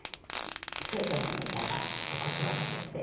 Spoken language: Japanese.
それでもね「イヤだ」っつって断られて。